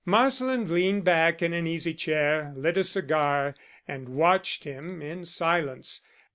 Marsland leaned back in an easy chair, lit a cigar, and watched him in silence.